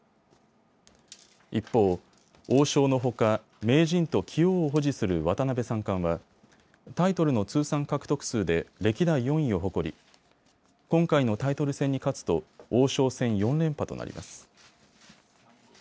一方、王将のほか名人と棋王を保持する渡辺三冠はタイトルの通算獲得数で歴代４位を誇り今回のタイトル戦に勝つと王将戦４連覇となります。